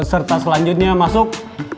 ulous serta selanjutnya masih